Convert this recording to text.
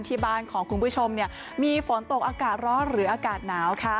ที่บ้านของคุณผู้ชมมีฝนตกอากาศร้อนหรืออากาศหนาวค่ะ